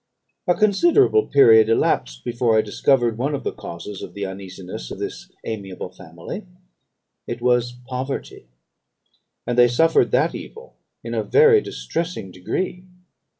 "A considerable period elapsed before I discovered one of the causes of the uneasiness of this amiable family: it was poverty; and they suffered that evil in a very distressing degree.